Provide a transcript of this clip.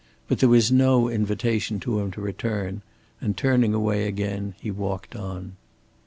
But there was no invitation to him to return, and turning away again he walked on.